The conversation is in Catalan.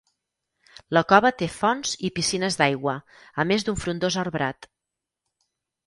La cova té fonts i piscines d'aigua, a més d'un frondós arbrat.